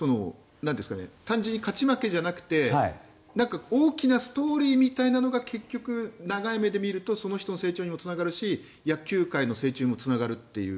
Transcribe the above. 単純に勝ち負けじゃなくて大きなストーリーみたいなのが結局、長い目で見るとその人の成長にもつながるし野球界の成長にもつながるという。